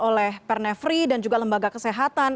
oleh pernevri dan juga lembaga kesehatan